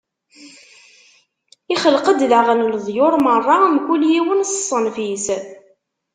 Ixleq-d daɣen leḍyur meṛṛa, mkul yiwen s ṣṣenf-is.